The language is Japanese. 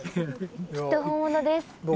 きっと本物です。